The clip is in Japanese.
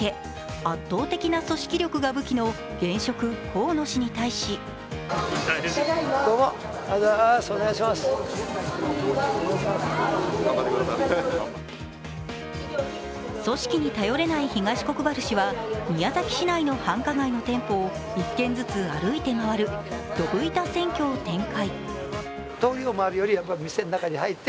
圧倒的な組織力が武器の現職・河野氏に対し組織に頼れない東国原氏は宮崎市内の繁華街の店舗を１軒ずつ歩いて回るどぶ板選挙を展開。